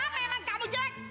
ya memang kamu jelek